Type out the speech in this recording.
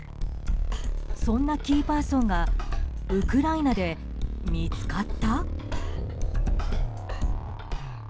そんなキーパーソンがウクライナで見つかった？